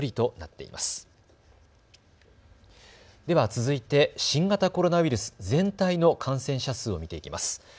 では続いて新型コロナウイルス全体の感染者数を見ていきます。